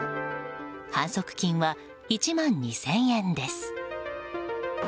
反則金は１万２０００円です。